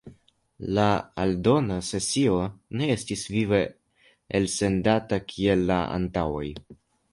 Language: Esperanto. La aldona sesio ne estis vive elsendata kiel la antaŭaj.